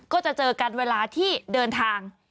ก็จะเจอกันเวลาที่เดินทาง